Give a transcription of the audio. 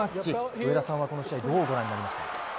上田さんはこの試合、どうご覧になりますか。